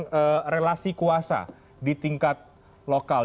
dengan relasi kuasa di tingkat lokal